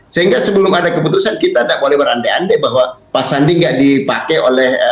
sehingga sebelum ada keputusan kita tidak boleh berandai andai bahwa pak sandi nggak dipakai oleh